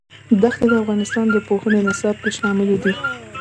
دښتې د افغانستان د پوهنې نصاب کې شامل دي.